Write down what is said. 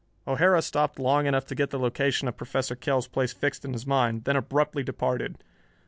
O'Hara stopped long enough to get the location of Professor Kell's place fixed in his mind, then abruptly departed.